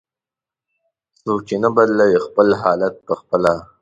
"څوک چې نه بدلوي خپل حالت په خپله".